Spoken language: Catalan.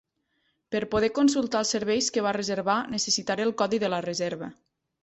Per poder consultar els serveis que va reservar necessitaré ell codi de la reserva.